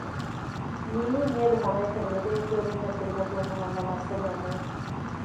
މިއީ މިއަދު ހަމައެކަނި މި ދެ އެކުވެރީންނަށް ކުރިމަތިވަމުން އަންނަ މައްސަލައެއް ނޫން